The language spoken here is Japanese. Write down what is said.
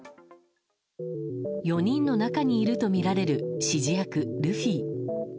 ４人の中にいるとみられる指示役ルフィ。